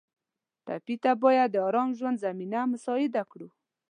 ټپي ته باید د ارام ژوند زمینه مساعده کړو.